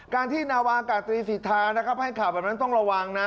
การที่นาวากาตรีสิทธานะครับให้ข่าวแบบนั้นต้องระวังนะ